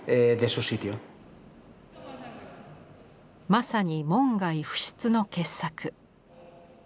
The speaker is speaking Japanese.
まさに門外不出の傑作。